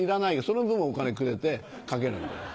その分お金くれて賭けるんだよ。